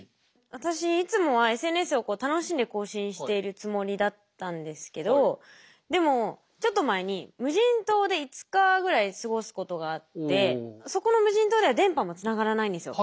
私いつもはＳＮＳを楽しんで更新しているつもりだったんですけどでもちょっと前にそこの無人島では電波もつながらないんですよ。